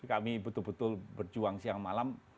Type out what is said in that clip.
kami betul betul berjuang siang malam